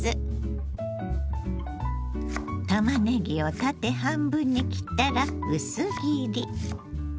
たまねぎを縦半分に切ったら薄切り。